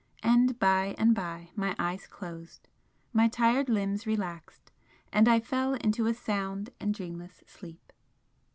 And by and by my eyes closed my tired limbs relaxed, and I fell into a sound and dreamless sleep.